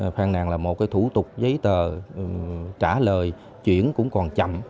phàn nàn là một cái thủ tục giấy tờ trả lời chuyển cũng còn chậm